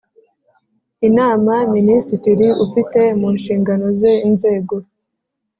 Inama minisitiri ufite mu nshingano ze inzego